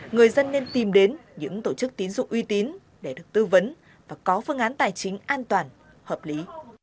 người dân nên tìm đến những tổ chức tín dụng uy tín để được tư vấn và có phương án tài chính an toàn hợp lý